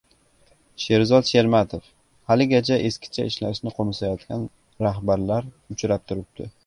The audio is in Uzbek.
Sherzod Shermatov: «Haligacha eskicha ishlashni qo‘msayotgan rahbarlar uchrab turibdi»